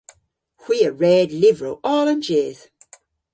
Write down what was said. Hwi a red lyvrow oll an jydh.